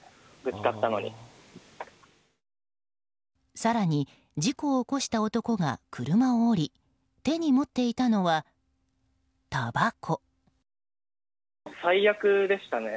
更に、事故を起こした男が車を降り手に持っていたのは、たばこ。